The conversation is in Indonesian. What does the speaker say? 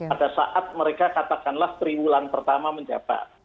ada saat mereka katakanlah periwulan pertama menjabat